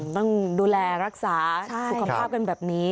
ต้องดูแลรักษาสุขภาพกันแบบนี้